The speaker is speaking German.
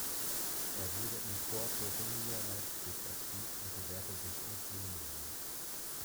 Er wurde im „Corps Thuringia Leipzig“ aktiv und bewährte sich als Senior.